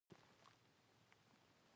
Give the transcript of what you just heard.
پلاستيکي کثافات باید نه خپرېږي.